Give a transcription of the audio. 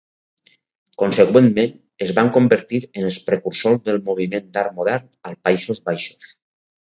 Consegüentment, es van convertir en els precursors del moviment d'art modern als Països Baixos.